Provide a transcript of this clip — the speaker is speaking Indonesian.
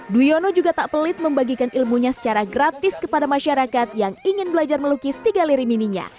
duwiono juga tak pelit membagikan ilmunya secara gratis kepada masyarakat yang ingin belajar melukis tiga liri mininya